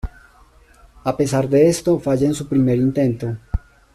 A pesar de esto, falla en su primer intento.